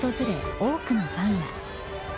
多くのファンが。